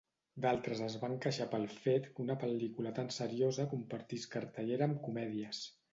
D'altres es van queixar pel fet que una pel·lícula tan seriosa compartís cartellera amb comèdies.